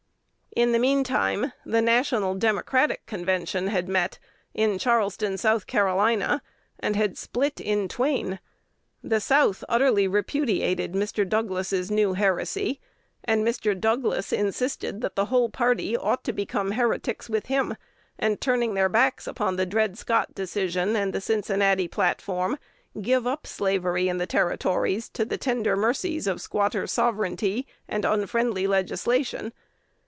In the mean time the National Democratic Convention had met at Charleston, S.C., and split in twain. The South utterly repudiated Mr. Douglas's new heresy; and Mr. Douglas insisted that the whole party ought to become heretics with him, and, turning their backs on the Dred Scott Decision and the Cincinnati Platform, give up slavery in the Territories to the tender mercies of "squatter sovereignty" and "unfriendly legislation."